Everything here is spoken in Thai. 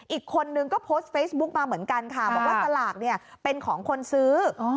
อีกคนนึงก็โพสต์เฟซบุ๊กมาเหมือนกันค่ะบอกว่าสลากเนี่ยเป็นของคนซื้อ